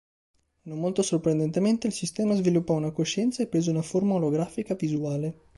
Non molto sorprendentemente, il sistema sviluppò una coscienza e prese una "forma olografica" visuale.